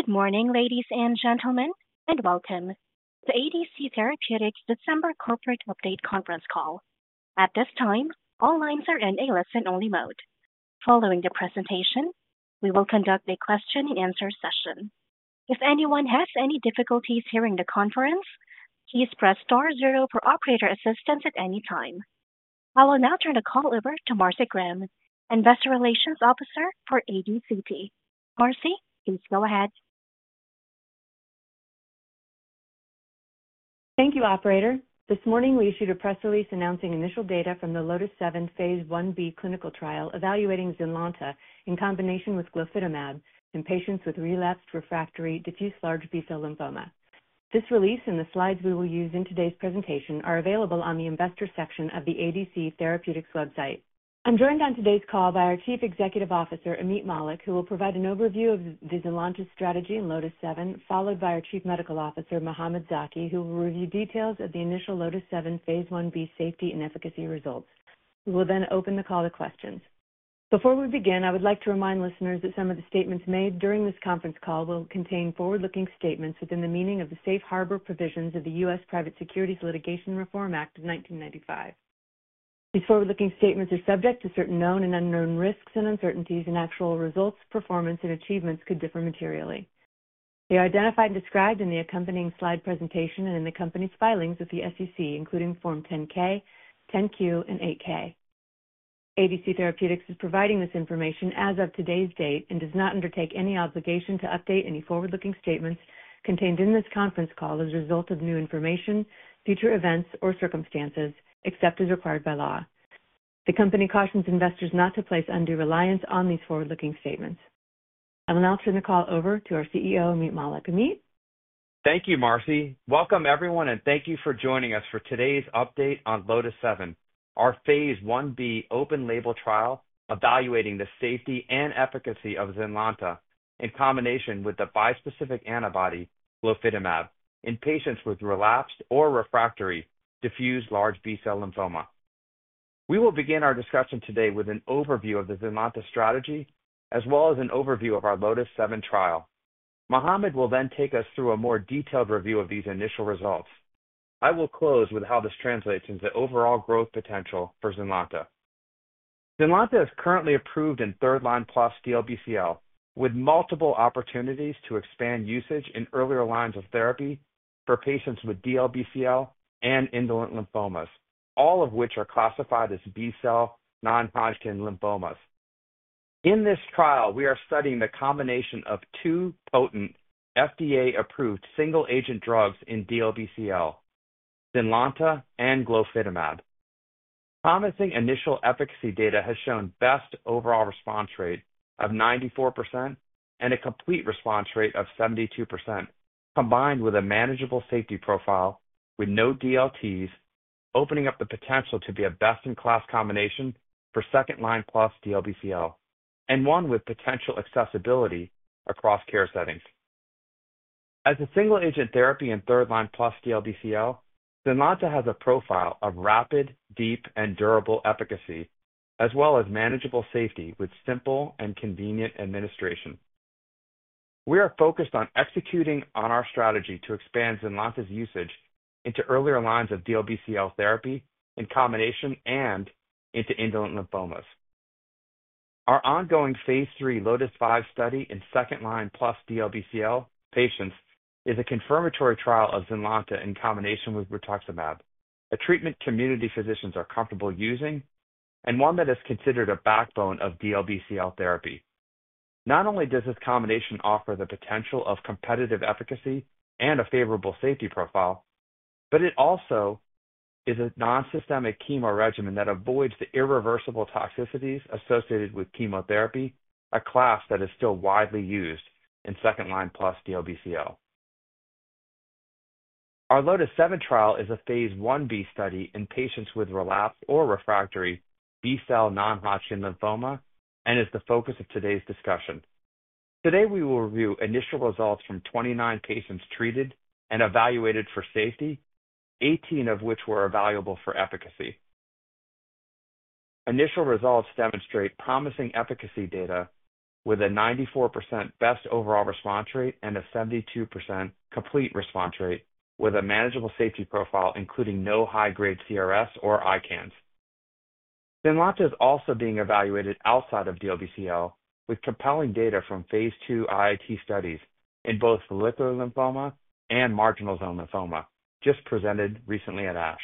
Good morning, ladies and gentlemen, and welcome to ADC Therapeutics' December corporate update conference call. At this time, all lines are in a listen-only mode. Following the presentation, we will conduct a question-and-answer session. If anyone has any difficulties hearing the conference, please press star zero for operator assistance at any time. I will now turn the call over to Marcy Graham, Investor Relations Officer for ADCT. Marcy, please go ahead. Thank you, Operator. This morning, we issued a press release announcing initial data from the LOTIS-7 phase 1-B clinical trial evaluating ZYNLONTA in combination with glofitamab in patients with relapsed refractory diffuse large B-cell lymphoma. This release and the slides we will use in today's presentation are available on the Investor section of the ADC Therapeutics website. I'm joined on today's call by our Chief Executive Officer, Ameet Mallik, who will provide an overview of the ZYNLONTA strategy in LOTIS-7, followed by our Chief Medical Officer, Mohamed Zaki, who will review details of the initial LOTIS-7 phase 1-B safety and efficacy results. We will then open the call to questions. Before we begin, I would like to remind listeners that some of the statements made during this conference call will contain forward-looking statements within the meaning of the safe harbor provisions of the U.S. Private Securities Litigation Reform Act of 1995. These forward-looking statements are subject to certain known and unknown risks and uncertainties, and actual results, performance, and achievements could differ materially. They are identified and described in the accompanying slide presentation and in the company's filings with the SEC, including Form 10-K, 10-Q, and 8-K. ADC Therapeutics is providing this information as of today's date and does not undertake any obligation to update any forward-looking statements contained in this conference call as a result of new information, future events, or circumstances, except as required by law. The company cautions investors not to place undue reliance on these forward-looking statements. I will now turn the call over to our CEO, Ameet Mallik. Ameet. Thank you, Marcy. Welcome, everyone, and thank you for joining us for today's update on LOTIS-7, our phase 1-B open-label trial evaluating the safety and efficacy of ZYNLONTA in combination with the bispecific antibody, glofitamab, in patients with relapsed or refractory diffuse large B-cell lymphoma. We will begin our discussion today with an overview of the ZYNLONTA strategy, as well as an overview of our LOTIS-7 trial. Mohamed will then take us through a more detailed review of these initial results. I will close with how this translates into overall growth potential for ZYNLONTA. ZYNLONTA is currently approved in third-line plus DLBCL, with multiple opportunities to expand usage in earlier lines of therapy for patients with DLBCL and indolent lymphomas, all of which are classified as B-cell non-Hodgkin lymphomas. In this trial, we are studying the combination of two potent FDA-approved single-agent drugs in DLBCL, ZYNLONTA and glofitamab. Promising initial efficacy data has shown best overall response rate of 94% and a complete response rate of 72%, combined with a manageable safety profile with no DLTs, opening up the potential to be a best-in-class combination for second-line plus DLBCL and one with potential accessibility across care settings. As a single-agent therapy in third-line plus DLBCL, ZYNLONTA has a profile of rapid, deep, and durable efficacy, as well as manageable safety with simple and convenient administration. We are focused on executing on our strategy to expand ZYNLONTA's usage into earlier lines of DLBCL therapy in combination and into indolent lymphomas. Our ongoing phase III LOTIS-5 study in second-line plus DLBCL patients is a confirmatory trial of ZYNLONTA in combination with rituximab, a treatment community physicians are comfortable using, and one that is considered a backbone of DLBCL therapy. Not only does this combination offer the potential of competitive efficacy and a favorable safety profile, but it also is a non-systemic chemo regimen that avoids the irreversible toxicities associated with chemotherapy, a class that is still widely used in second-line plus DLBCL. Our LOTIS-7 trial is a phase 1-B study in patients with relapsed or refractory B-cell non-Hodgkin lymphoma and is the focus of today's discussion. Today, we will review initial results from 29 patients treated and evaluated for safety, 18 of which were evaluable for efficacy. Initial results demonstrate promising efficacy data with a 94% best overall response rate and a 72% complete response rate, with a manageable safety profile including no high-grade CRS or ICANS. ZYNLONTA is also being evaluated outside of DLBCL with compelling data from phase II IIT studies in both follicular lymphoma and marginal zone lymphoma, just presented recently at ASH.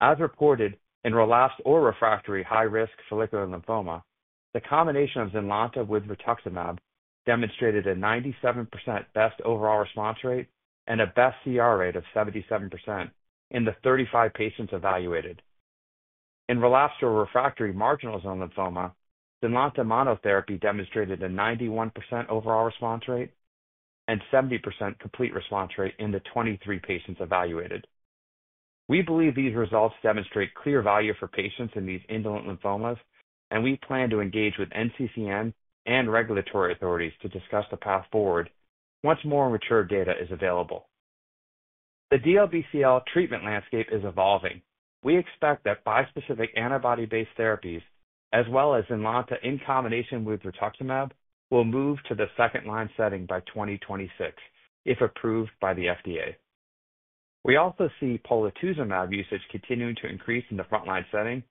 As reported, in relapsed or refractory high-risk follicular lymphoma, the combination of ZYNLONTA with rituximab demonstrated a 97% best overall response rate and a best CR rate of 77% in the 35 patients evaluated. In relapsed or refractory marginal zone lymphoma, ZYNLONTA monotherapy demonstrated a 91% overall response rate and 70% complete response rate in the 23 patients evaluated. We believe these results demonstrate clear value for patients in these indolent lymphomas, and we plan to engage with NCCN and regulatory authorities to discuss the path forward once more mature data is available. The DLBCL treatment landscape is evolving. We expect that bispecific antibody-based therapies, as well as ZYNLONTA in combination with rituximab, will move to the second-line setting by 2026, if approved by the FDA. We also see polatuzumab usage continuing to increase in the front-line setting,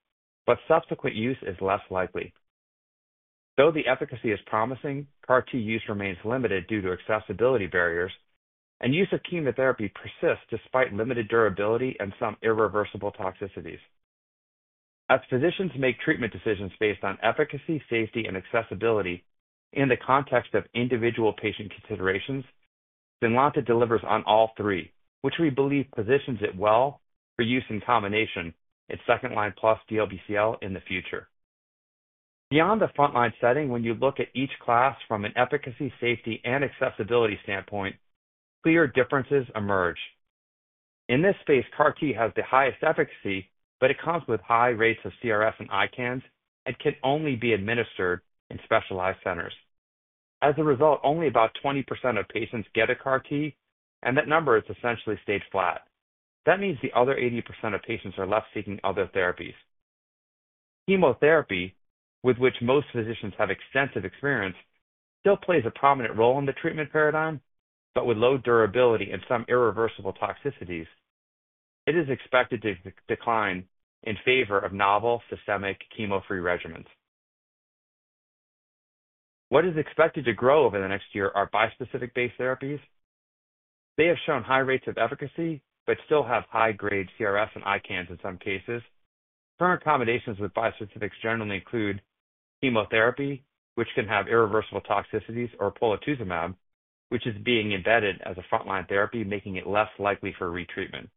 but subsequent use is less likely. Though the efficacy is promising, CAR-T use remains limited due to accessibility barriers, and use of chemotherapy persists despite limited durability and some irreversible toxicities. As physicians make treatment decisions based on efficacy, safety, and accessibility in the context of individual patient considerations, ZYNLONTA delivers on all three, which we believe positions it well for use in combination in second-line plus DLBCL in the future. Beyond the front-line setting, when you look at each class from an efficacy, safety, and accessibility standpoint, clear differences emerge. In this space, CAR-T has the highest efficacy, but it comes with high rates of CRS and ICANS and can only be administered in specialized centers. As a result, only about 20% of patients get a CAR-T, and that number has essentially stayed flat. That means the other 80% of patients are left seeking other therapies. Chemotherapy, with which most physicians have extensive experience, still plays a prominent role in the treatment paradigm, but with low durability and some irreversible toxicities, it is expected to decline in favor of novel, systemic, chemo-free regimens. What is expected to grow over the next year are bispecific-based therapies. They have shown high rates of efficacy but still have high-grade CRS and ICANS in some cases. Current accommodations with bispecifics generally include chemotherapy, which can have irreversible toxicities, or polatuzumab, which is being embedded as a front-line therapy, making it less likely for retreatment.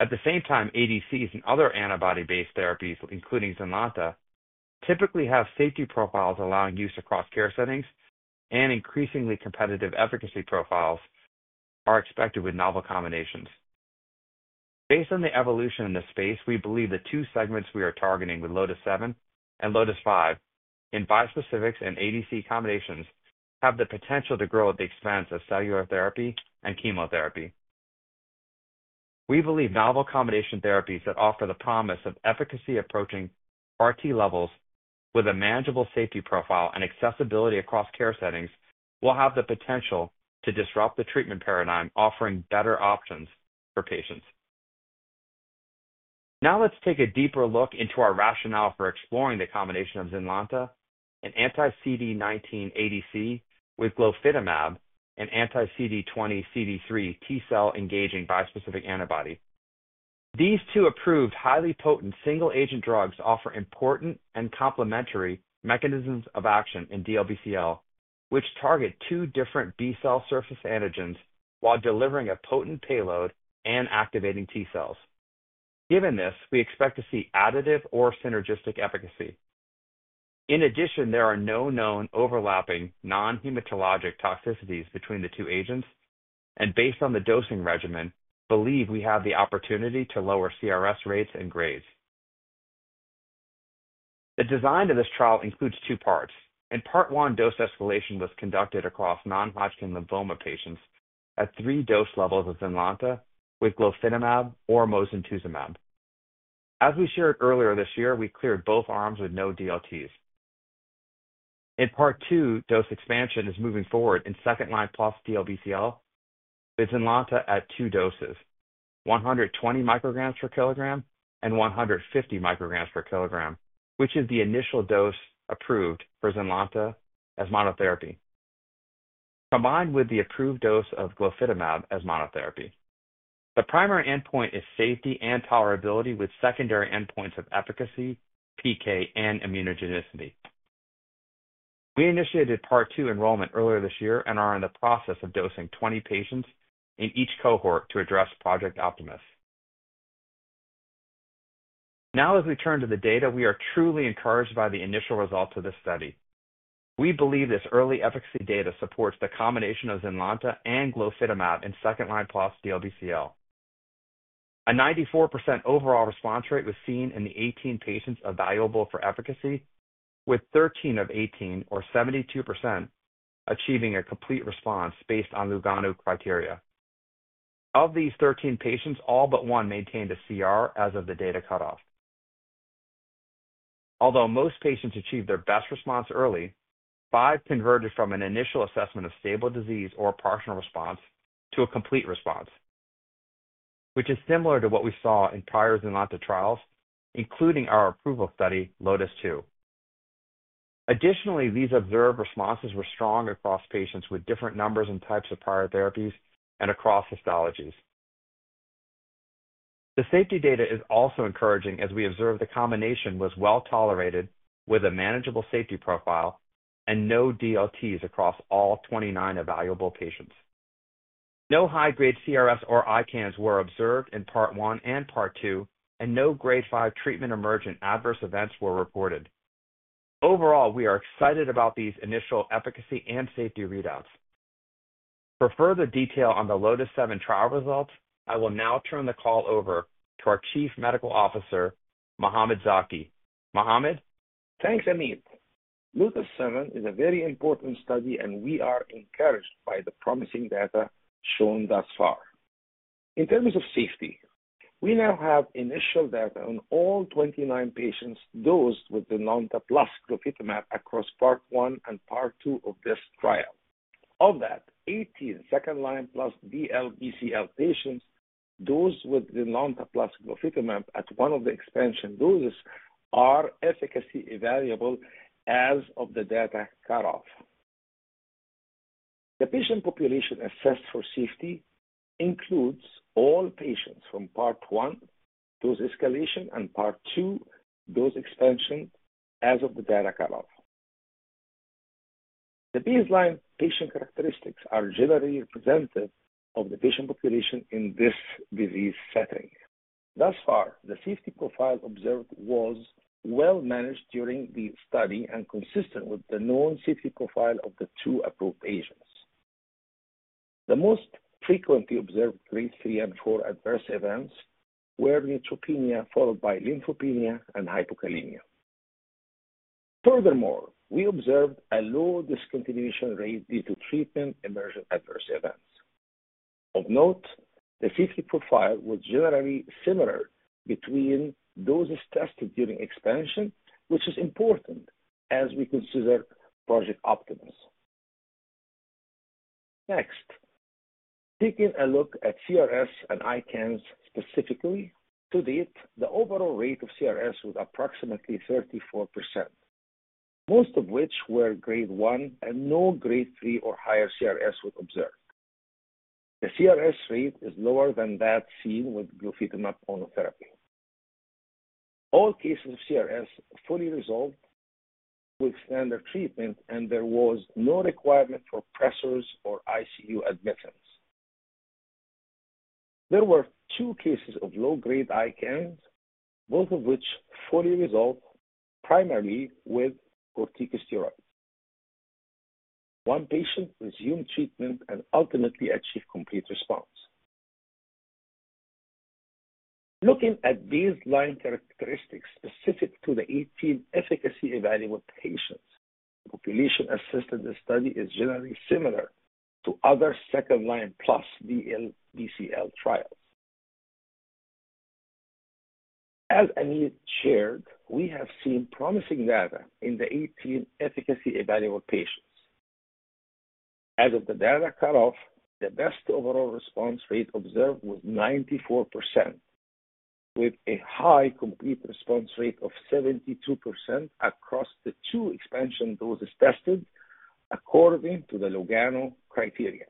At the same time, ADCs and other antibody-based therapies, including ZYNLONTA, typically have safety profiles allowing use across care settings, and increasingly competitive efficacy profiles are expected with novel combinations. Based on the evolution in this space, we believe the two segments we are targeting with LOTIS-7 and LOTIS-5 in bispecifics and ADC combinations have the potential to grow at the expense of cellular therapy and chemotherapy. We believe novel combination therapies that offer the promise of efficacy approaching CAR-T levels with a manageable safety profile and accessibility across care settings will have the potential to disrupt the treatment paradigm, offering better options for patients. Now let's take a deeper look into our rationale for exploring the combination of ZYNLONTA and anti-CD19 ADC with glofitamab and anti-CD20 CD3 T-cell engaging bispecific antibody. These two approved, highly potent single-agent drugs offer important and complementary mechanisms of action in DLBCL, which target two different B-cell surface antigens while delivering a potent payload and activating T-cells. Given this, we expect to see additive or synergistic efficacy. In addition, there are no known overlapping non-hematologic toxicities between the two agents, and based on the dosing regimen, we believe we have the opportunity to lower CRS rates and grades. The design of this trial includes two parts. In part one, dose escalation was conducted across non-Hodgkin lymphoma patients at three dose levels of ZYNLONTA with glofitamab or mosunetuzumab. As we shared earlier this year, we cleared both arms with no DLTs. In part two, dose expansion is moving forward in second-line plus DLBCL with ZYNLONTA at two doses, 120 micrograms per kilogram and 150 micrograms per kilogram, which is the initial dose approved for ZYNLONTA as monotherapy, combined with the approved dose of glofitamab as monotherapy. The primary endpoint is safety and tolerability, with secondary endpoints of efficacy, PK, and immunogenicity. We initiated part two enrollment earlier this year and are in the process of dosing 20 patients in each cohort to address Project Optimus. Now, as we turn to the data, we are truly encouraged by the initial results of this study. We believe this early efficacy data supports the combination of ZYNLONTA and glofitamab in second-line plus DLBCL. A 94% overall response rate was seen in the 18 patients evaluable for efficacy, with 13 of 18, or 72%, achieving a complete response based on Lugano criteria. Of these 13 patients, all but one maintained a CR as of the data cutoff. Although most patients achieved their best response early, five converted from an initial assessment of stable disease or partial response to a complete response, which is similar to what we saw in prior ZYNLONTA trials, including our approval study, LOTIS-2. Additionally, these observed responses were strong across patients with different numbers and types of prior therapies and across histologies. The safety data is also encouraging as we observe the combination was well tolerated with a manageable safety profile and no DLTs across all 29 evaluable patients. No high-grade CRS or ICANS were observed in part one and part two, and no grade five treatment emergent adverse events were reported. Overall, we are excited about these initial efficacy and safety readouts. For further detail on the LOTIS-7 trial results, I will now turn the call over to our Chief Medical Officer, Mohamed Zaki. Mohamed. Thanks, Ameet. LOTIS-7 is a very important study, and we are encouraged by the promising data shown thus far. In terms of safety, we now have initial data on all 29 patients dosed with ZYNLONTA plus glofitamab across part one and part two of this trial. Of that, 18 second-line plus DLBCL patients dosed with ZYNLONTA plus glofitamab at one of the expansion doses are efficacy evaluable as of the data cutoff. The patient population assessed for safety includes all patients from part one dose escalation and part two dose expansion as of the data cutoff. The baseline patient characteristics are generally representative of the patient population in this disease setting. Thus far, the safety profile observed was well managed during the study and consistent with the known safety profile of the two approved agents. The most frequently observed grade three and four adverse events were neutropenia followed by lymphopenia and hypokalemia. Furthermore, we observed a low discontinuation rate due to treatment emergent adverse events. Of note, the safety profile was generally similar between doses tested during expansion, which is important as we consider Project Optimus. Next, taking a look at CRS and ICANS specifically, to date, the overall rate of CRS was approximately 34%, most of which were grade one and no grade three or higher CRS was observed. The CRS rate is lower than that seen with glofitamab monotherapy. All cases of CRS fully resolved with standard treatment, and there was no requirement for pressors or ICU admissions. There were two cases of low-grade ICANS, both of which fully resolved primarily with corticosteroids. One patient resumed treatment and ultimately achieved complete response. Looking at baseline characteristics specific to the 18 efficacy evaluable patients, the population in this study is generally similar to other second-line plus DLBCL trials. As Ameet shared, we have seen promising data in the 18 efficacy evaluable patients. As of the data cutoff, the best overall response rate observed was 94%, with a high complete response rate of 72% across the two expansion doses tested according to the Lugano criteria.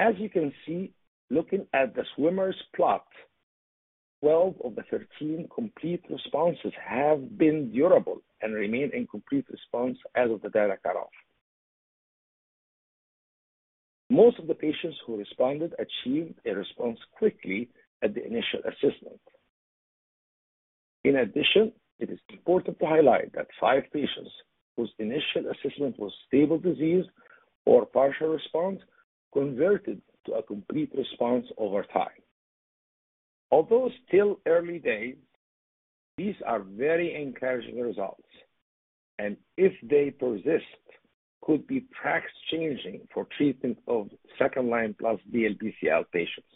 As you can see, looking at the swimmers plot, 12 of the 13 complete responses have been durable and remain in complete response as of the data cutoff. Most of the patients who responded achieved a response quickly at the initial assessment. In addition, it is important to highlight that five patients whose initial assessment was stable disease or partial response converted to a complete response over time. Although still early days, these are very encouraging results, and if they persist, could be practice-changing for treatment of second-line plus DLBCL patients.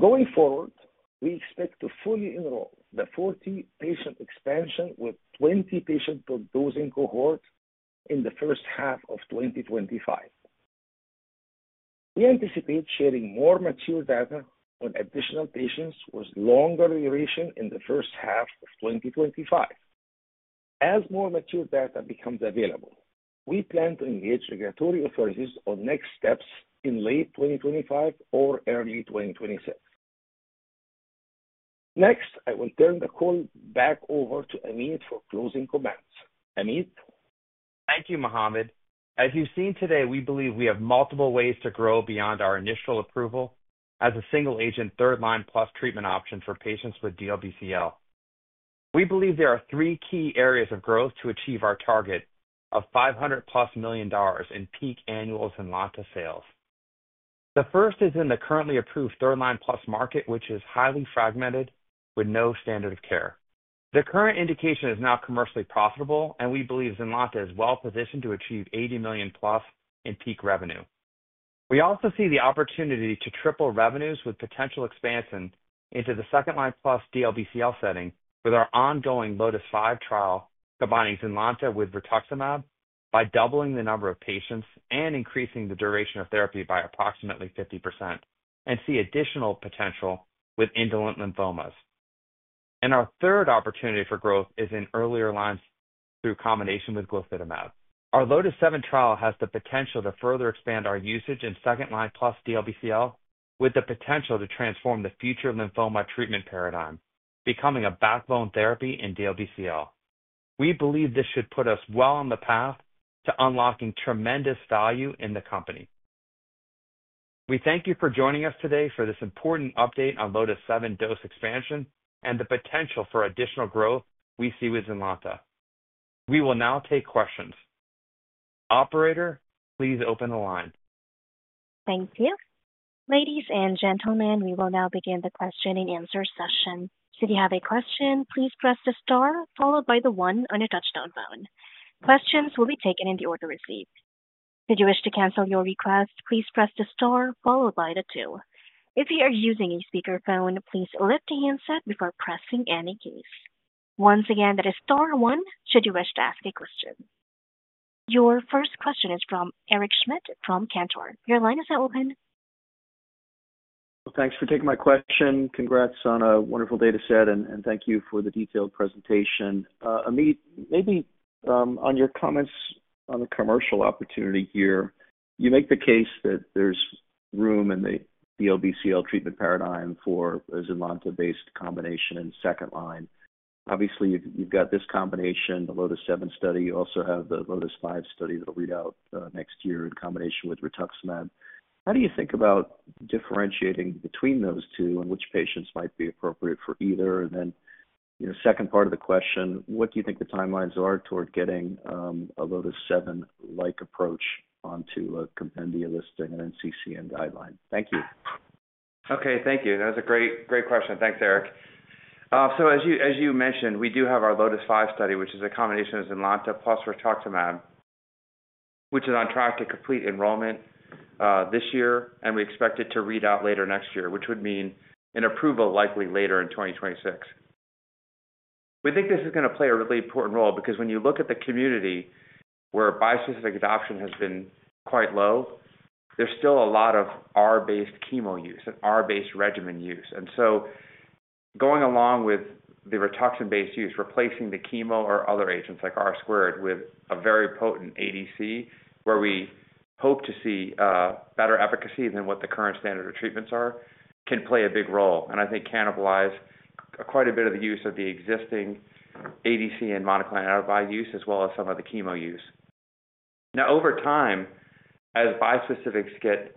Going forward, we expect to fully enroll the 40-patient expansion with 20-patient dosing cohort in the first half of 2025. We anticipate sharing more mature data on additional patients with longer duration in the first half of 2025. As more mature data becomes available, we plan to engage regulatory authorities on next steps in late 2025 or early 2026. Next, I will turn the call back over to Ameet for closing comments. Ameet. Thank you, Mohamed. As you've seen today, we believe we have multiple ways to grow beyond our initial approval as a single-agent third-line plus treatment option for patients with DLBCL. We believe there are three key areas of growth to achieve our target of $500 million plus in peak annual ZYNLONTA sales. The first is in the currently approved third-line plus market, which is highly fragmented with no standard of care. The current indication is now commercially profitable, and we believe ZYNLONTA is well positioned to achieve $80 million plus in peak revenue. We also see the opportunity to triple revenues with potential expansion into the second-line plus DLBCL setting with our ongoing LOTIS-5 trial combining ZYNLONTA with rituximab by doubling the number of patients and increasing the duration of therapy by approximately 50% and see additional potential with indolent lymphomas. Our third opportunity for growth is in earlier lines through combination with glofitamab. Our LOTIS-7 trial has the potential to further expand our usage in second-line plus DLBCL with the potential to transform the future lymphoma treatment paradigm, becoming a backbone therapy in DLBCL. We believe this should put us well on the path to unlocking tremendous value in the company. We thank you for joining us today for this important update on LOTIS-7 dose expansion and the potential for additional growth we see with ZYNLONTA. We will now take questions. Operator, please open the line. Thank you. Ladies and gentlemen, we will now begin the question and answer session. So, if you have a question, please press the star followed by the one on your touch-tone phone. Questions will be taken in the order received. Should you wish to cancel your request, please press the star followed by the two. If you are using a speakerphone, please lift the handset before pressing any keys. Once again, that is star one should you wish to ask a question. Your first question is from Eric Schmidt from Cantor. Your line is now open. Thanks for taking my question. Congrats on a wonderful data set, and thank you for the detailed presentation. Ameet, maybe on your comments on the commercial opportunity here, you make the case that there's room in the DLBCL treatment paradigm for a ZYNLONTA-based combination in second line. Obviously, you've got this combination, the LOTIS-7 study. You also have the LOTIS-5 study that will read out next year in combination with rituximab. How do you think about differentiating between those two and which patients might be appropriate for either? And then the second part of the question, what do you think the timelines are toward getting a LOTIS-7-like approach onto a compendia listing and NCCN guideline? Thank you. Okay. Thank you. That was a great, great question. Thanks, Eric. So, as you mentioned, we do have our LOTIS-5 study, which is a combination of ZYNLONTA plus rituximab, which is on track to complete enrollment this year, and we expect it to read out later next year, which would mean an approval likely later in 2026. We think this is going to play a really important role because when you look at the community where bispecific adoption has been quite low, there's still a lot of R-based chemo use and R-based regimen use. And so, going along with the Rituxan-based use, replacing the chemo or other agents like R-squared with a very potent ADC, where we hope to see better efficacy than what the current standard of treatments are, can play a big role. And I think cannibalize quite a bit of the use of the existing ADC and monoclonal antibody use as well as some of the chemo use. Now, over time, as bispecifics get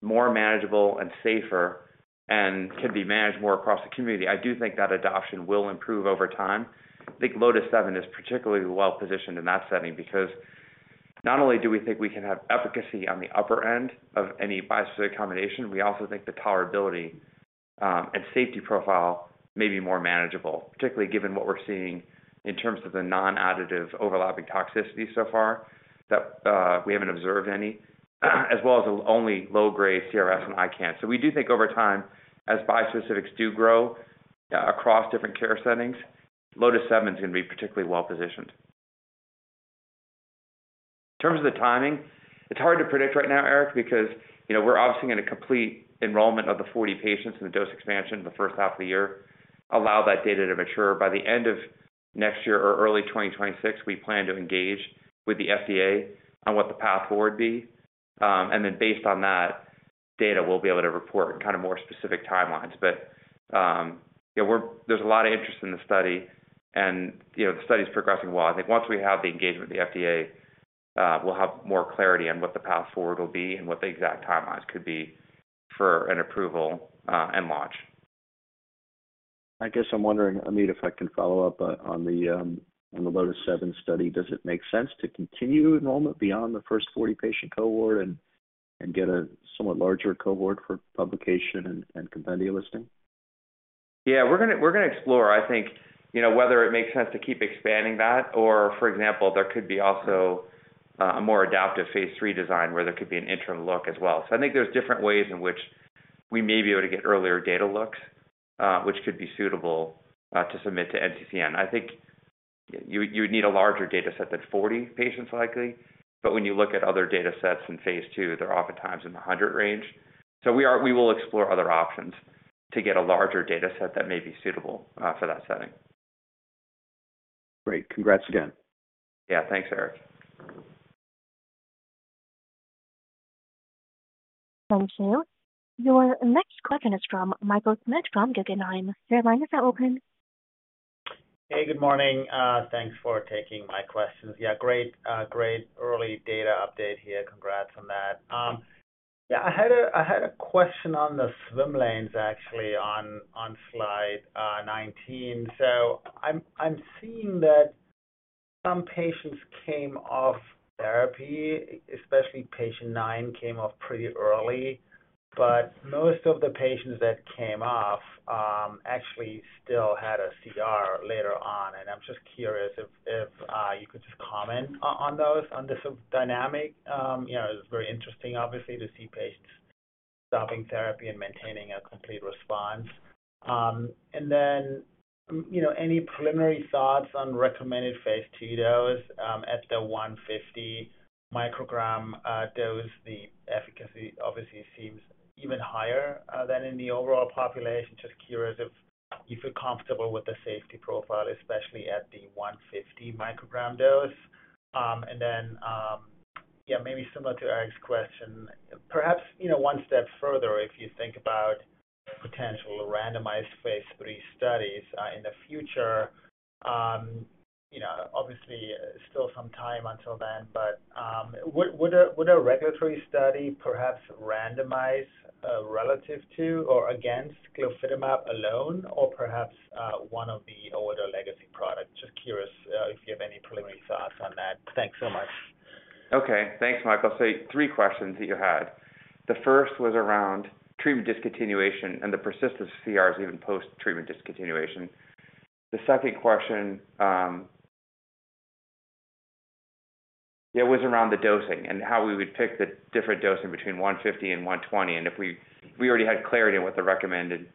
more manageable and safer and can be managed more across the community, I do think that adoption will improve over time. I think LOTIS-7 is particularly well positioned in that setting because not only do we think we can have efficacy on the upper end of any bispecific combination, we also think the tolerability and safety profile may be more manageable, particularly given what we're seeing in terms of the non-additive overlapping toxicity so far that we haven't observed any, as well as only low-grade CRS and ICANS. So, we do think over time, as bispecifics do grow across different care settings, LOTIS-7 is going to be particularly well positioned. In terms of the timing, it's hard to predict right now, Eric, because we're obviously going to complete enrollment of the 40 patients in the dose expansion the first half of the year, allow that data to mature. By the end of next year or early 2026, we plan to engage with the FDA on what the path forward be. And then, based on that data, we'll be able to report kind of more specific timelines. But there's a lot of interest in the study, and the study's progressing well. I think once we have the engagement with the FDA, we'll have more clarity on what the path forward will be and what the exact timelines could be for an approval and launch. I guess I'm wondering, Ameet, if I can follow up on the LOTIS-7 study. Does it make sense to continue enrollment beyond the first 40-patient cohort and get a somewhat larger cohort for publication and compendia listing? Yeah. We're going to explore, I think, whether it makes sense to keep expanding that or, for example, there could be also a more adaptive phase III design where there could be an interim look as well. So, I think there's different ways in which we may be able to get earlier data looks, which could be suitable to submit to NCCN. I think you would need a larger data set than 40 patients likely, but when you look at other data sets in phase II, they're oftentimes in the 100 range. So, we will explore other options to get a larger data set that may be suitable for that setting. Great. Congrats again. Yeah. Thanks, Eric. Thank you. Your next question is from Michael Schmidt from Guggenheim. Your line is now open. Hey. Good morning. Thanks for taking my questions. Yeah. Great, great early data update here. Congrats on that. Yeah. I had a question on the swimmers plot, actually, on slide 19. So, I'm seeing that some patients came off therapy, especially patient nine came off pretty early, but most of the patients that came off actually still had a CR later on. And I'm just curious if you could just comment on those, on this dynamic. It's very interesting, obviously, to see patients stopping therapy and maintaining a complete response. And then any preliminary thoughts on recommended phase II dose at the 150-microgram dose? The efficacy, obviously, seems even higher than in the overall population. Just curious if you feel comfortable with the safety profile, especially at the 150-microgram dose. Then, yeah, maybe similar to Eric's question, perhaps one step further, if you think about potential randomized phase III studies in the future. Obviously, still some time until then, but would a regulatory study perhaps randomize relative to or against glofitamab alone or perhaps one of the older legacy products? Just curious if you have any preliminary thoughts on that. Thanks so much. Okay. Thanks, Michael. So, three questions that you had. The first was around treatment discontinuation and the persistence of CRs even post-treatment discontinuation. The second question, yeah, was around the dosing and how we would pick the different dosing between 150 and 120 and if we already had clarity on what the recommended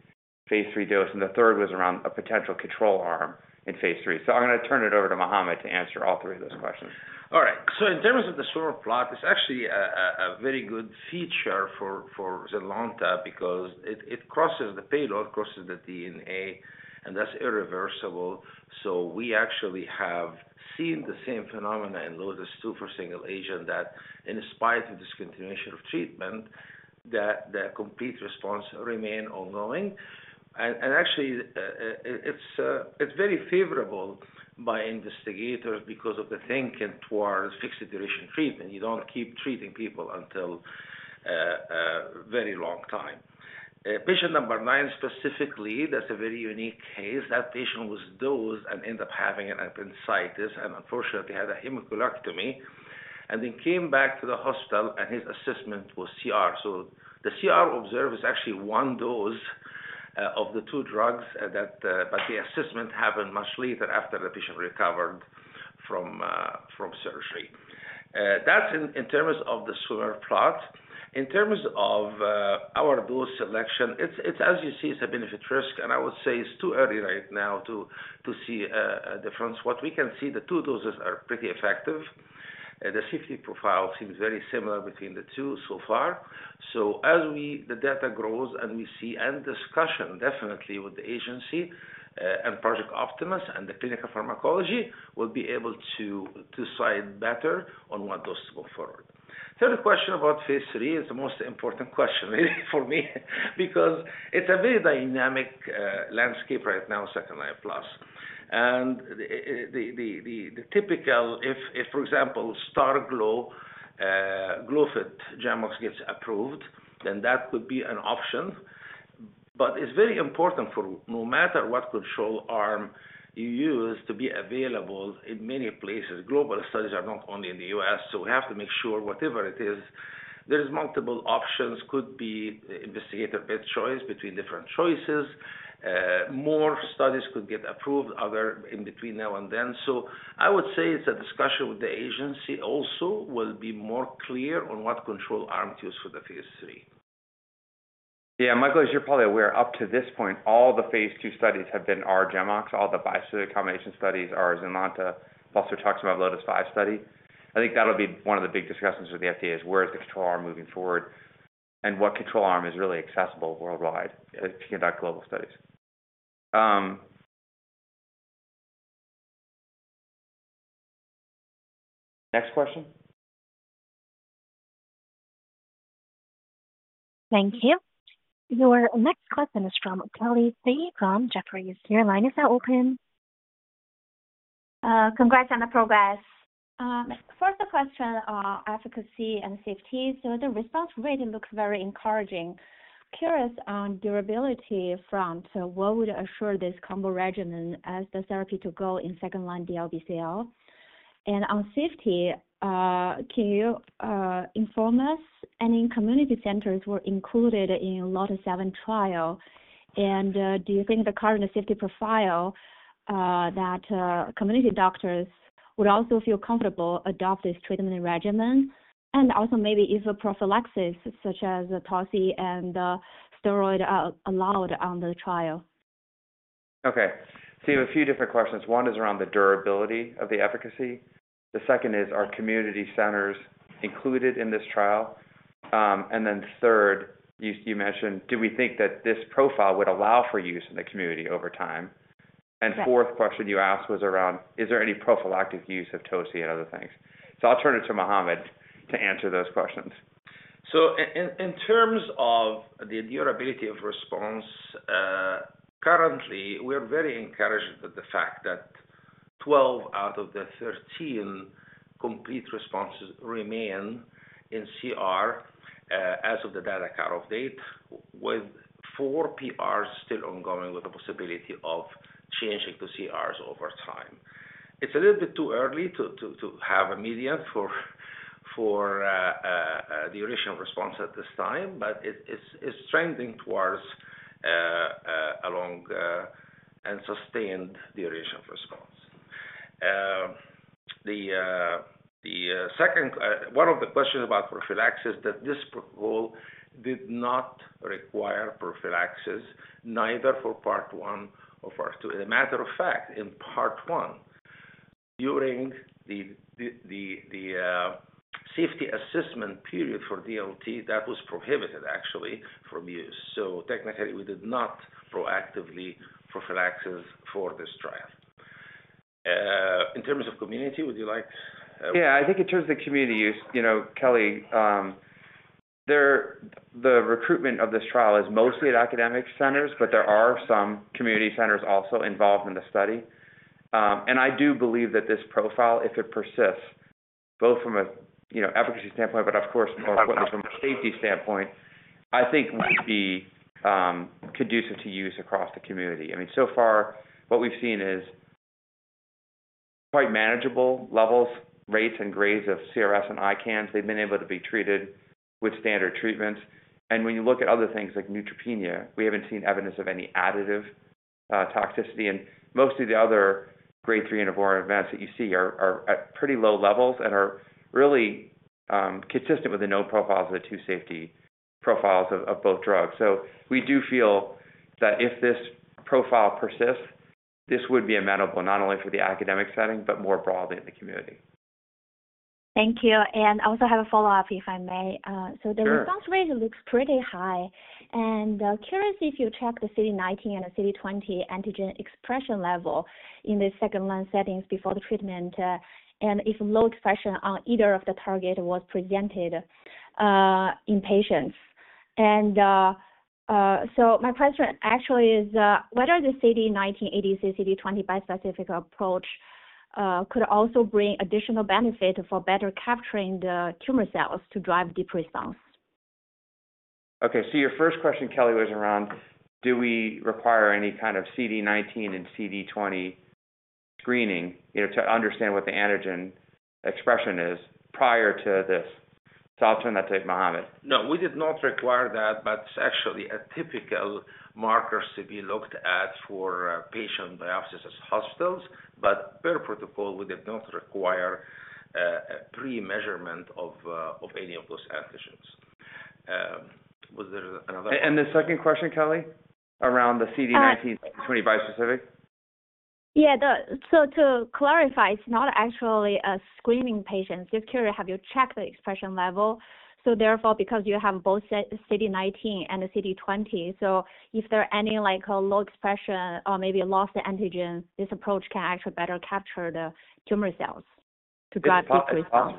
phase III dose. And the third was around a potential control arm in phase III. So, I'm going to turn it over to Mohamed to answer all three of those questions. All right. So, in terms of the swimmer plot, it's actually a very good feature for ZYNLONTA because it crosses the payload, crosses the DNA, and that's irreversible. So, we actually have seen the same phenomena in LOTIS-2 for single agent that, in spite of discontinuation of treatment, the complete response remained ongoing. And actually, it's very favorable by investigators because of the thinking towards fixed duration treatment. You don't keep treating people until a very long time. Patient number nine specifically, that's a very unique case. That patient was dosed and ended up having an appendicitis and, unfortunately, had a hemicolectomy and then came back to the hospital, and his assessment was CR. So, the CR observed is actually one dose of the two drugs, but the assessment happened much later after the patient recovered from surgery. That's in terms of the swimmer plot. In terms of our dose selection, it's, as you see, it's a benefit-risk, and I would say it's too early right now to see a difference. What we can see, the two doses are pretty effective. The safety profile seems very similar between the two so far. So, as the data grows and we see discussion definitely with the agency and Project Optimus and the clinical pharmacology, we'll be able to decide better on what dose to go forward. Third question about phase III is the most important question really for me because it's a very dynamic landscape right now, second-line plus. And the typical, for example, STARGLO, glofitamab, GemOx gets approved, then that could be an option. But it's very important for no matter what control arm you use to be available in many places. Global studies are not only in the U.S., so we have to make sure whatever it is, there's multiple options. Could be investigator best choice between different choices. More studies could get approved, others in between now and then. So, I would say it's a discussion with the agency also will be more clear on what control arm to use for the phase III. Yeah. Michael, as you're probably aware, up to this point, all the phase II studies have been R, GemOx. All the bispecific combination studies are ZYNLONTA plus rituximab, LOTIS-5 study. I think that'll be one of the big discussions with the FDA is where is the control arm moving forward and what control arm is really accessible worldwide if you conduct global studies. Next question. Thank you. Your next question is from Kelly Shi from Jefferies. Your line is now open. Congrats on the progress. For the question on efficacy and safety, so the response rate looks very encouraging. Curious on durability front, what would assure this combo regimen as the therapy to go in second-line DLBCL? And on safety, can you inform us? Any community centers were included in LOTIS-7 trial? And do you think the current safety profile that community doctors would also feel comfortable adopting this treatment regimen? And also maybe if a prophylaxis such as tocilizumab and steroid allowed on the trial? Okay. So, you have a few different questions. One is around the durability of the efficacy. The second is, are community centers included in this trial? And then third, you mentioned, do we think that this profile would allow for use in the community over time? And fourth question you asked was around, is there any prophylactic use of Toci and other things? So, I'll turn it to Mohamed to answer those questions. In terms of the durability of response, currently, we are very encouraged by the fact that 12 out of the 13 complete responses remain in CR as of the data cut-off date, with four PRs still ongoing with the possibility of changing to CRs over time. It's a little bit too early to have a median for duration of response at this time, but it's trending towards a long and sustained duration of response. One of the questions about prophylaxis is that this proposal did not require prophylaxis, neither for part one or part two. As a matter of fact, in part one, during the safety assessment period for DLT, that was prohibited, actually, from use. So, technically, we did not proactively prophylaxis for this trial. In terms of community, would you like? Yeah. I think in terms of the community use, Kelly, the recruitment of this trial is mostly at academic centers, but there are some community centers also involved in the study. And I do believe that this profile, if it persists, both from an efficacy standpoint, but of course, more importantly, from a safety standpoint, I think would be conducive to use across the community. I mean, so far, what we've seen is quite manageable levels, rates, and grades of CRS and ICANS. They've been able to be treated with standard treatments. And when you look at other things like neutropenia, we haven't seen evidence of any additive toxicity. And most of the other grade 3 or higher events that you see are at pretty low levels and are really consistent with the known safety profiles of both drugs. So, we do feel that if this profile persists, this would be amenable not only for the academic setting, but more broadly in the community. Thank you. And I also have a follow-up, if I may. So, the response rate looks pretty high. And curious if you checked the CD19 and the CD20 antigen expression level in the second-line settings before the treatment and if low expression on either of the target was presented in patients. And so, my question actually is, whether the CD19, ADC, CD20 bispecific approach could also bring additional benefit for better capturing the tumor cells to drive deep response? Okay. So, your first question, Kelly, was around, do we require any kind of CD19 and CD20 screening to understand what the antigen expression is prior to this? So, I'll turn that to Mohamed. No, we did not require that, but it's actually a typical marker to be looked at for patient biopsies at hospitals. But per protocol, we did not require a pre-measurement of any of those antigens. Was there another? The second question, Kelly, around the CD19, CD20 bispecific? Yeah. So, to clarify, it's not actually a screening patient. Just curious, have you checked the expression level? So, therefore, because you have both CD19 and the CD20, so if there are any low expression or maybe lost antigens, this approach can actually better capture the tumor cells to drive deep response?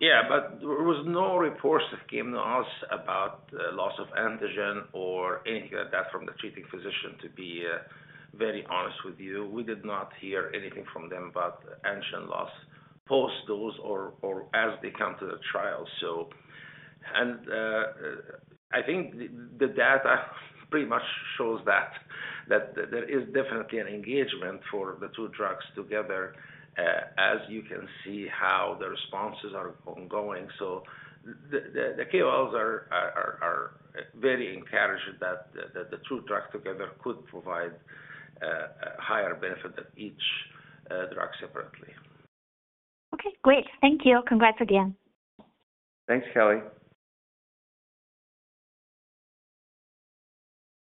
Yeah, but there were no reports that came to us about loss of antigen or anything like that from the treating physician, to be very honest with you. We did not hear anything from them about antigen loss post-dose or as they come to the trial. So, and I think the data pretty much shows that there is definitely an engagement for the two drugs together, as you can see how the responses are ongoing, so the KOLs are very encouraged that the two drugs together could provide a higher benefit than each drug separately. Okay. Great. Thank you. Congrats again. Thanks, Kelly.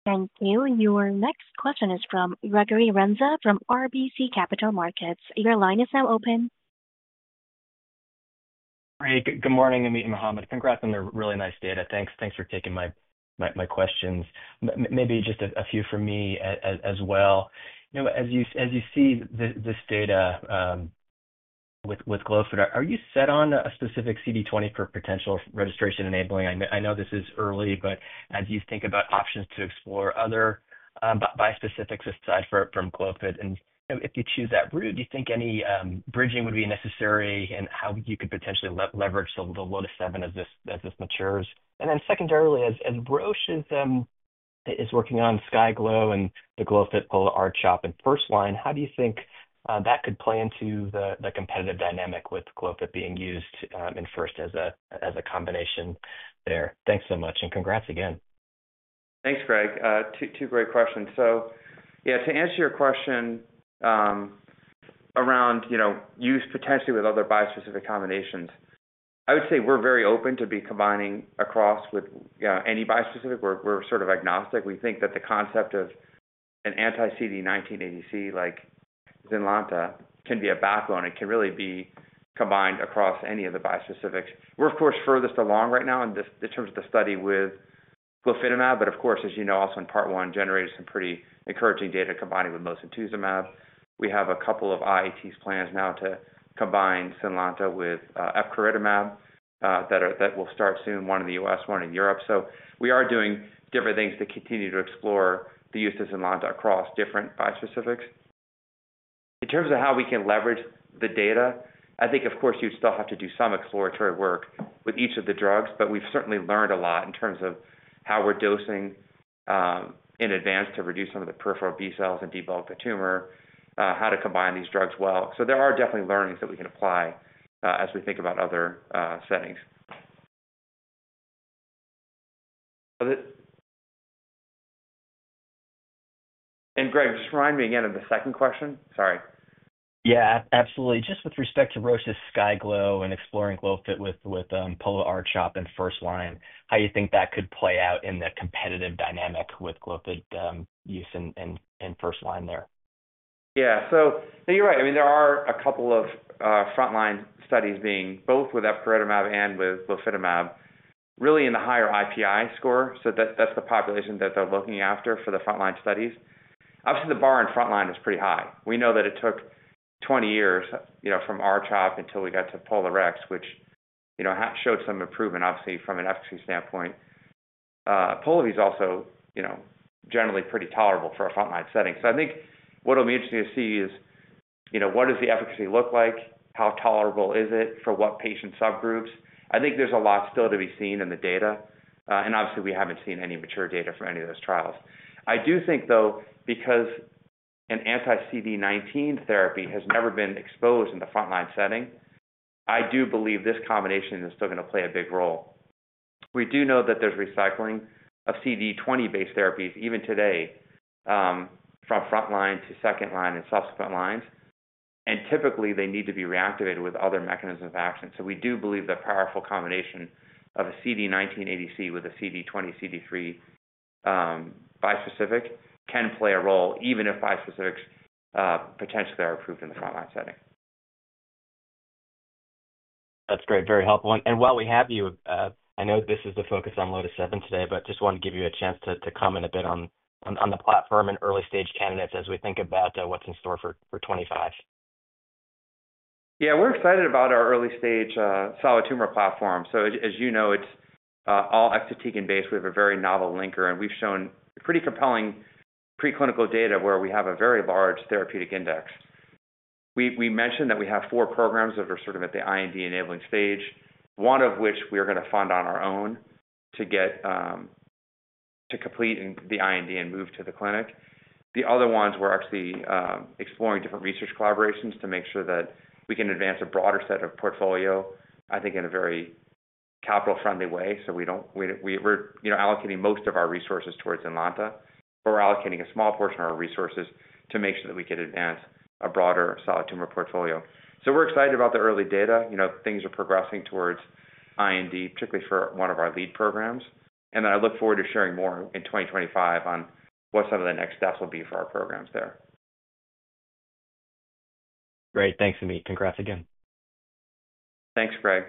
Thank you. Your next question is from Gregory Renza from RBC Capital Markets. Your line is now open. Hey. Good morning. Ameet and Mohamed. Congrats on the really nice data. Thanks for taking my questions. Maybe just a few for me as well. As you see this data with Glofit, are you set on a specific CD20 for potential registration enabling? I know this is early, but as you think about options to explore other bispecifics aside from Glofit, and if you choose that route, do you think any bridging would be necessary and how you could potentially leverage the LOTIS-7 as this matures? Then secondarily, as Roche is working on SKYGLO and the Glofit, Pola-R-CHP, and first-line, how do you think that could play into the competitive dynamic with Glofit being used in first as a combination there? Thanks so much. Congrats again. Thanks, Greg. Two great questions. So, yeah, to answer your question around use potentially with other bispecific combinations, I would say we're very open to be combining across with any bispecific. We're sort of agnostic. We think that the concept of an anti-CD19 ADC like ZYNLONTA can be a backbone. It can really be combined across any of the bispecifics. We're, of course, furthest along right now in terms of the study with glofitamab, but of course, as you know, also in part one generated some pretty encouraging data combining with mosunetuzumab. We have a couple of ISTs plans now to combine ZYNLONTA with epcoritamab that will start soon, one in the U.S., one in Europe. So, we are doing different things to continue to explore the use of ZYNLONTA across different bispecifics. In terms of how we can leverage the data, I think, of course, you'd still have to do some exploratory work with each of the drugs, but we've certainly learned a lot in terms of how we're dosing in advance to reduce some of the peripheral B cells and debulk the tumor, how to combine these drugs well, so there are definitely learnings that we can apply as we think about other settings, and Greg, just remind me again of the second question. Sorry. Yeah. Absolutely. Just with respect to Roche's SKYGLO and exploring Glofit with Pola-R-CHP, and firstline, how you think that could play out in the competitive dynamic with Glofit use in firstline there? Yeah. So, you're right. I mean, there are a couple of frontline studies being both with epcoritamab and with glofitamab, really in the higher IPI score. So, that's the population that they're looking after for the frontline studies. Obviously, the bar in frontline is pretty high. We know that it took 20 years from R-CHOP until we got to Pola-R-CHP, which showed some improvement, obviously, from an efficacy standpoint. Pola is also generally pretty tolerable for a frontline setting. So, I think what'll be interesting to see is what does the efficacy look like? How tolerable is it for what patient subgroups? I think there's a lot still to be seen in the data. And obviously, we haven't seen any mature data from any of those trials. I do think, though, because an anti-CD19 therapy has never been exposed in the frontline setting, I do believe this combination is still going to play a big role. We do know that there's recycling of CD20-based therapies, even today, from frontline to second-line and subsequent lines. And typically, they need to be reactivated with other mechanisms of action. So, we do believe the powerful combination of a CD19, ADC with a CD20, CD3 bispecific can play a role, even if bispecifics potentially are approved in the frontline setting. That's great. Very helpful, and while we have you, I know this is the focus on LOTIS-7 today, but just wanted to give you a chance to comment a bit on the platform and early-stage candidates as we think about what's in store for 2025. Yeah. We're excited about our early-stage solid tumor platform. So, as you know, it's all exatecan-based. We have a very novel linker, and we've shown pretty compelling preclinical data where we have a very large therapeutic index. We mentioned that we have four programs that are sort of at the IND enabling stage, one of which we are going to fund on our own to complete the IND and move to the clinic. The other ones, we're actually exploring different research collaborations to make sure that we can advance a broader set of portfolio, I think, in a very capital-friendly way. So, we're allocating most of our resources towards ZYNLONTA, or allocating a small portion of our resources to make sure that we could advance a broader solid tumor portfolio. So, we're excited about the early data. Things are progressing towards IND, particularly for one of our lead programs. I look forward to sharing more in 2025 on what some of the next steps will be for our programs there. Great. Thanks, Ameet. Congrats again. Thanks, Greg.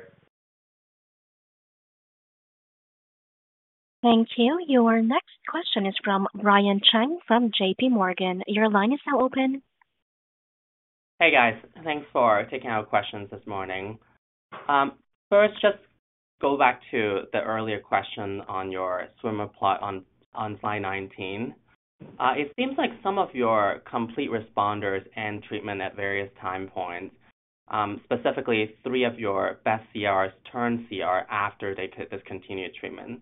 Thank you. Your next question is from Brian Cheng from JPMorgan. Your line is now open. Hey, guys. Thanks for taking our questions this morning. First, just go back to the earlier question on your swimmer plot on slide 19. It seems like some of your complete responders end treatment at various time points, specifically three of your best CRs turn to CR after treatment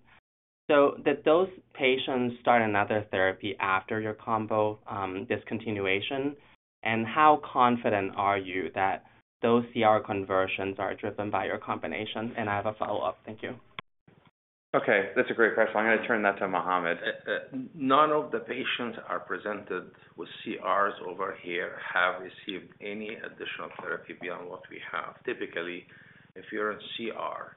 discontinuation. So, did those patients start another therapy after your combo discontinuation? And how confident are you that those CR conversions are driven by your combination? And I have a follow-up. Thank you. Okay. That's a great question. I'm going to turn that to Mohamed. None of the patients presented with CRs over here have received any additional therapy beyond what we have. Typically, if you're in CR,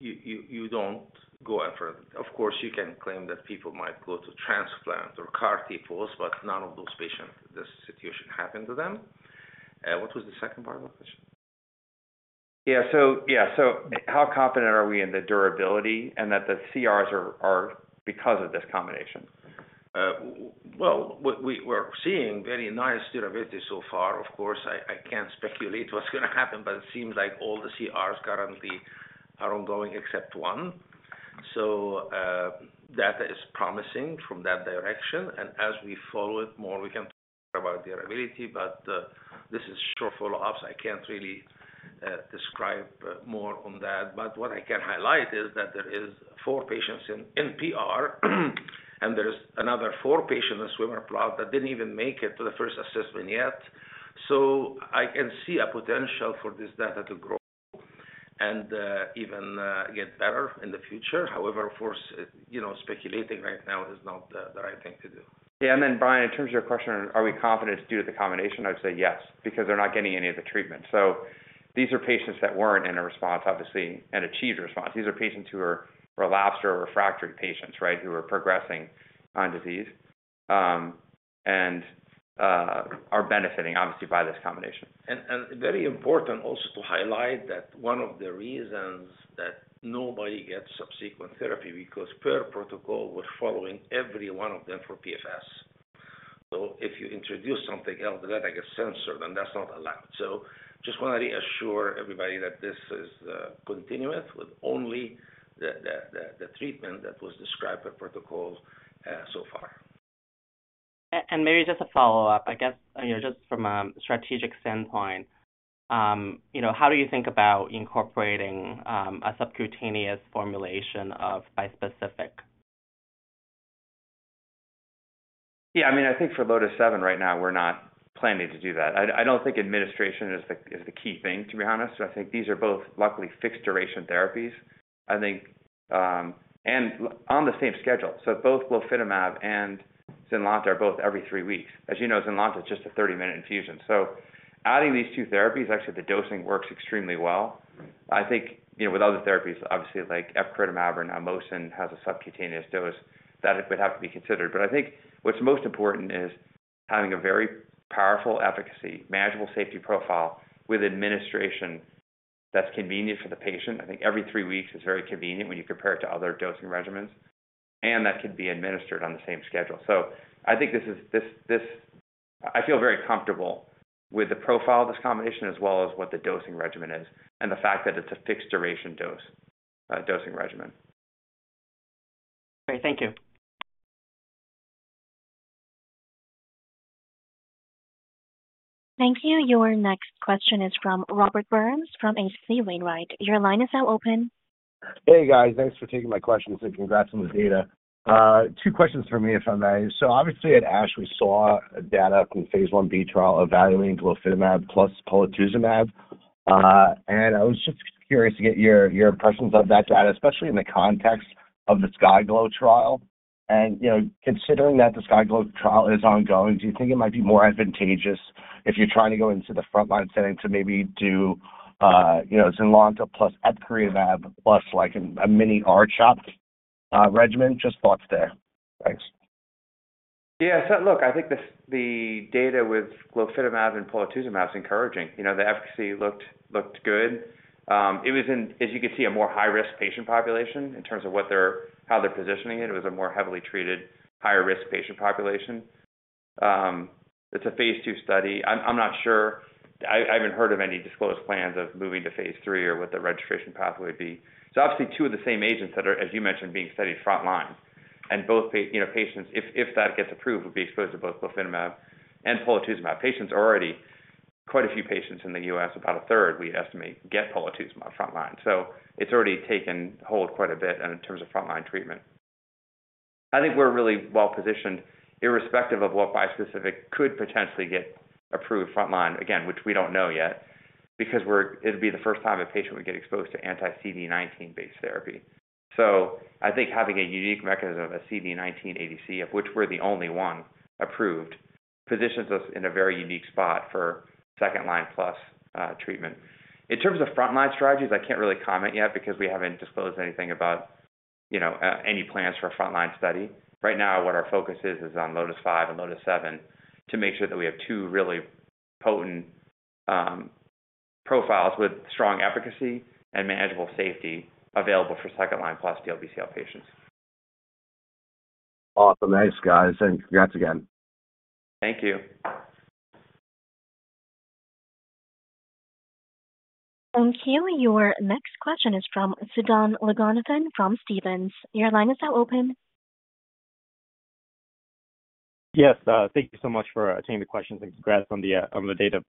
you don't go and forth. Of course, you can claim that people might go to transplant or CAR-T post, but none of those patients. This situation happened to them. What was the second part of the question? Yeah. So, how confident are we in the durability and that the CRs are because of this combination? We're seeing very nice durability so far. Of course, I can't speculate what's going to happen, but it seems like all the CRs currently are ongoing except one. That is promising from that direction. As we follow it more, we can talk about durability, but this is short follow-ups. I can't really describe more on that. What I can highlight is that there are four patients in PR, and there are another four patients in swimmers plot that didn't even make it to the first assessment yet. I can see a potential for this data to grow and even get better in the future. However, of course, speculating right now is not the right thing to do. Yeah. And then, Brian, in terms of your question, are we confident it's due to the combination? I'd say yes, because they're not getting any of the treatment. So, these are patients that weren't in a response, obviously, and achieved response. These are patients who are relapsed or refractory patients, right, who are progressing on disease and are benefiting, obviously, by this combination. And very important also to highlight that one of the reasons that nobody gets subsequent therapy is because per protocol, we're following every one of them for PFS. So, if you introduce something else that like a censor, then that's not allowed. So, just want to reassure everybody that this is continuing with only the treatment that was described per protocol so far. Maybe just a follow-up, I guess, just from a strategic standpoint, how do you think about incorporating a subcutaneous formulation of bispecific? Yeah. I mean, I think for LOTIS-7 right now, we're not planning to do that. I don't think administration is the key thing, to be honest. I think these are both, luckily, fixed-duration therapies, I think, and on the same schedule. So, both glofitamab and ZYNLONTA are both every three weeks. As you know, ZYNLONTA is just a 30-minute infusion. So, adding these two therapies, actually, the dosing works extremely well. I think with other therapies, obviously, like epcoritamab or mosunetuzumab has a subcutaneous dose that would have to be considered. But I think what's most important is having a very powerful efficacy, manageable safety profile with administration that's convenient for the patient. I think every three weeks is very convenient when you compare it to other dosing regimens, and that could be administered on the same schedule. So, I think this is, I feel very comfortable with the profile of this combination as well as what the dosing regimen is and the fact that it's a fixed-duration dosing regimen. Great. Thank you. Thank you. Your next question is from Robert Burns from H.C. Wainwright. Your line is now open. Hey, guys. Thanks for taking my questions and congrats on the data. Two questions for me, if I may. So, obviously, at ASH, we saw data from phase 1-B trial evaluating glofitamab plus polatuzumab. And I was just curious to get your impressions of that data, especially in the context of the SKYGLO trial. And considering that the SKYGLO trial is ongoing, do you think it might be more advantageous if you're trying to go into the frontline setting to maybe do ZYNLONTA plus epcoritamab plus a mini R-CHOP regimen? Just thoughts there. Thanks. Yeah. So, look, I think the data with glofitamab and polatuzumab is encouraging. The efficacy looked good. It was, as you could see, a more high-risk patient population in terms of how they're positioning it. It was a more heavily treated, higher-risk patient population. It's a phase II study. I'm not sure. I haven't heard of any disclosed plans of moving to phase III or what the registration pathway would be. So, obviously, two of the same agents that are, as you mentioned, being studied frontline. And both patients, if that gets approved, would be exposed to both glofitamab and polatuzumab. Quite a few patients in the U.S., about a third, we estimate, get polatuzumab frontline. So, it's already taken hold quite a bit in terms of frontline treatment. I think we're really well-positioned, irrespective of what bispecific could potentially get approved frontline, again, which we don't know yet, because it'd be the first time a patient would get exposed to anti-CD19-based therapy. So, I think having a unique mechanism of a CD19, ADC, of which we're the only one approved, positions us in a very unique spot for second-line plus treatment. In terms of frontline strategies, I can't really comment yet because we haven't disclosed anything about any plans for a frontline study. Right now, what our focus is, is on LOTIS-5 and LOTIS-7 to make sure that we have two really potent profiles with strong efficacy and manageable safety available for second-line plus DLBCL patients. Awesome. Thanks, guys. And congrats again. Thank you. Thank you. Your next question is from Sudan Loganathan from Stephens. Your line is now open. Yes. Thank you so much for taking the questions and congrats on the data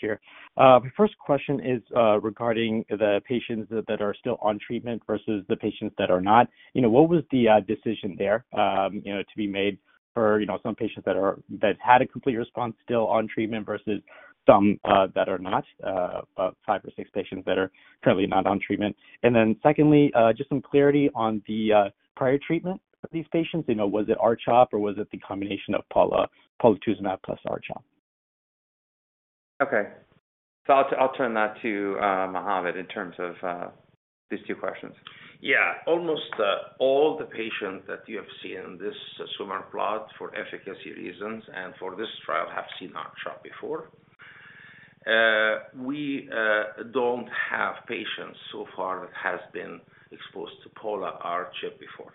here. My first question is regarding the patients that are still on treatment versus the patients that are not. What was the decision there to be made for some patients that had a complete response, still on treatment, versus some that are not, about five or six patients that are currently not on treatment? And then secondly, just some clarity on the prior treatment for these patients. Was it R-CHOP or was it the combination of polatuzumab plus R-CHOP? Okay, so I'll turn that to Mohamed in terms of these two questions. Yeah. Almost all the patients that you have seen in this swimmer plot for efficacy reasons and for this trial have seen R-CHOP before. We don't have patients so far that have been exposed to Pola-R-CHP before.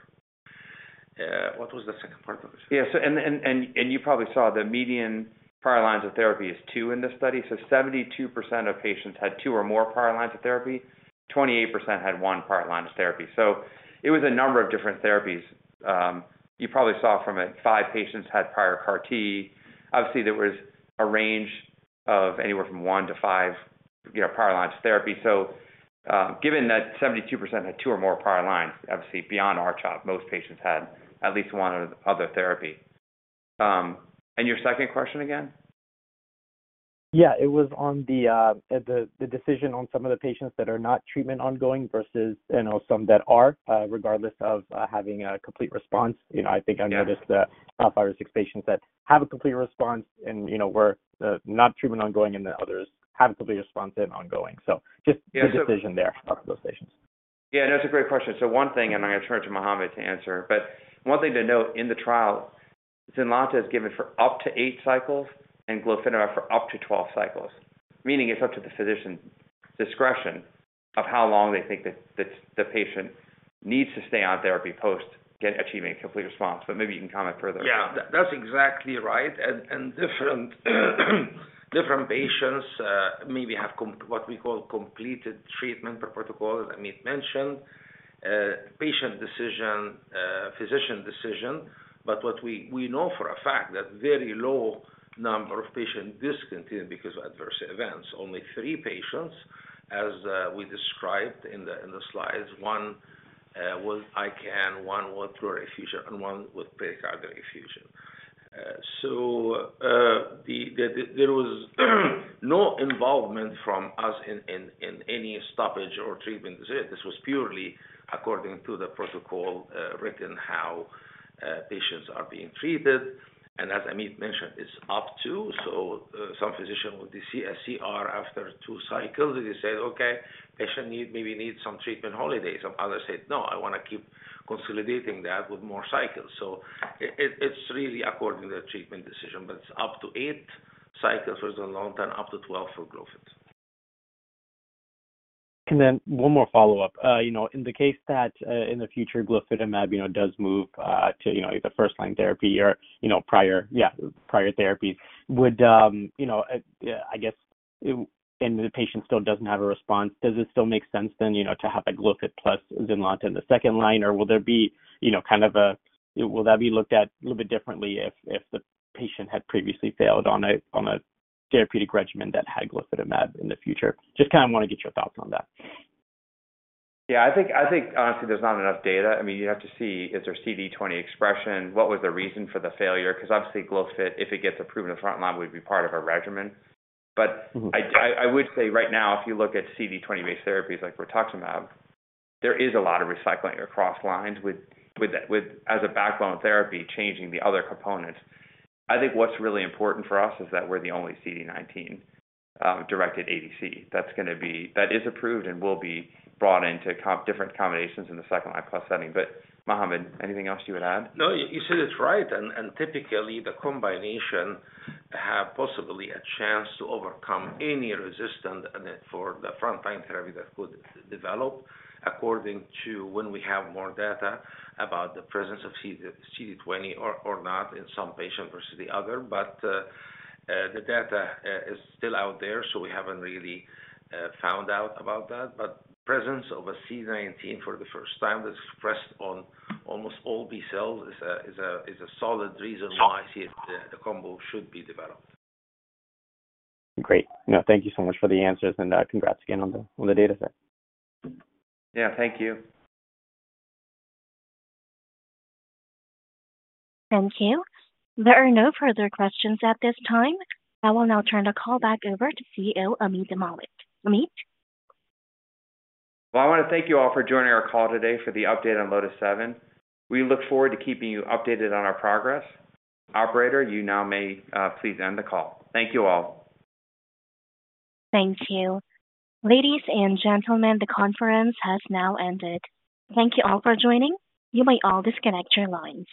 What was the second part of the question? Yeah. And you probably saw the median prior lines of therapy is two in this study. So, 72% of patients had two or more prior lines of therapy. 28% had one prior line of therapy. So, it was a number of different therapies. You probably saw from it, five patients had prior CAR T. Obviously, there was a range of anywhere from one to five prior lines of therapy. So, given that 72% had two or more prior lines, obviously, beyond R-CHOP, most patients had at least one other therapy. And your second question again? Yeah. It was on the decision on some of the patients that are not treatment ongoing versus some that are, regardless of having a complete response. I think I noticed that five or six patients that have a complete response and were not treatment ongoing, and the others have a complete response and ongoing. So, just the decision there for those patients. Yeah. And that's a great question. So, one thing, and I'm going to turn it to Mohamed to answer, but one thing to note in the trial, ZYNLONTA is given for up to eight cycles and glofitamab for up to 12 cycles, meaning it's up to the physician's discretion of how long they think that the patient needs to stay on therapy post achieving a complete response. But maybe you can comment further. Yeah. That's exactly right. And different patients maybe have what we call completed treatment per protocol that Ameet mentioned, patient decision, physician decision. But what we know for a fact, that very low number of patients discontinued because of adverse events. Only three patients, as we described in the slides, one with ICANS, one with pleural effusion, and one with pericardial effusion. So, there was no involvement from us in any stoppage or treatment decision. This was purely according to the protocol written how patients are being treated. And as Ameet mentioned, it's up to. So, some physician would see a CR after two cycles. They say, "Okay. Patient maybe needs some treatment holidays." Some others say, "No. I want to keep consolidating that with more cycles." So, it's really according to the treatment decision, but it's up to eight cycles for ZYNLONTA and up to 12 for glofitamab. And then one more follow-up. In the case that in the future, glofitamab does move to either first-line therapy or prior, yeah, prior therapies, would I guess, and the patient still doesn't have a response, does it still make sense then to have a glofitamab plus ZYNLONTA in the second line, or will there be kind of a will that be looked at a little bit differently if the patient had previously failed on a therapeutic regimen that had glofitamab in the future? Just kind of want to get your thoughts on that. Yeah. I think, honestly, there's not enough data. I mean, you have to see, is there CD20 expression? What was the reason for the failure? Because obviously, glofitamab, if it gets approved in the frontline, would be part of a regimen. But I would say right now, if you look at CD20-based therapies like rituximab, there is a lot of recycling across lines as a backbone therapy changing the other components. I think what's really important for us is that we're the only CD19-directed ADC that's going to be that is approved and will be brought into different combinations in the second-line plus setting. But Mohamed, anything else you would add? No, you said it's right, and typically, the combination has possibly a chance to overcome any resistance for the frontline therapy that could develop according to when we have more data about the presence of CD20 or not in some patient versus the other, but the data is still out there, so we haven't really found out about that, but presence of a CD19 for the first time that's expressed on almost all B cells is a solid reason why I see the combo should be developed. Great. No, thank you so much for the answers, and congrats again on the data set. Yeah. Thank you. Thank you. There are no further questions at this time. I will now turn the call back over to CEO Ameet Mallik. Ameet? I want to thank you all for joining our call today for the update on LOTIS-7. We look forward to keeping you updated on our progress. Operator, you now may please end the call. Thank you all. Thank you. Ladies and gentlemen, the conference has now ended. Thank you all for joining. You may all disconnect your lines.